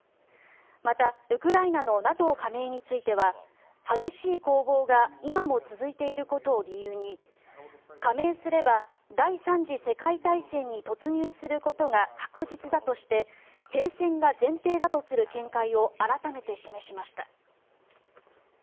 また、ウクライナのＮＡＴＯ加盟については激しい攻防が今も続いていることを理由に加盟すれば第３次世界大戦に突入することが確実だとして停戦が前提だとする見解を改めて示しました。